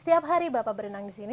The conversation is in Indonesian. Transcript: setiap hari bapak berenang di sini